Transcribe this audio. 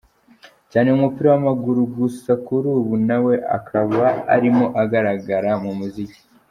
cyane mu mupira wamaguru gusa kuri ubu nawe akaba arimo agaragara mu muziki.